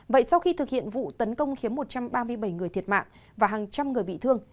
vậy sau khi thực hiện vụ tấn công khiến một trăm ba mươi bảy người thiệt mạng và hàng trăm người bị thương